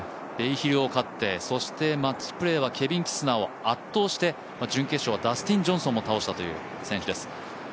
ベイヒルを勝ってそしてマッチプレーはケビン・キスナーを圧倒して準決勝はダスティン・ジョンソンも倒したという選手です。